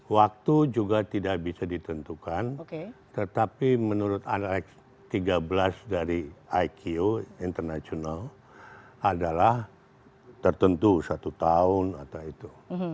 waktu juga tidak bisa ditentukan tetapi menurut analis tiga belas dari iko international adalah tertentu satu tahun atau itu